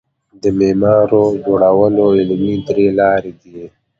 د معماوو جوړولو علمي درې لاري دي.